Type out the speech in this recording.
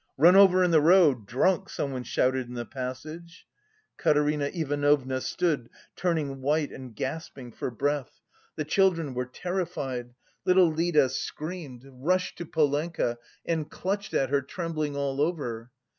"Run over in the road! Drunk!" someone shouted in the passage. Katerina Ivanovna stood, turning white and gasping for breath. The children were terrified. Little Lida screamed, rushed to Polenka and clutched at her, trembling all over.